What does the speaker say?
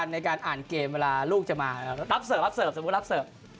ในการอ่านเกมเวลาลูกจะมารับเสิร์ฟรับเสิร์ฟสมมุติรับเสิร์ฟ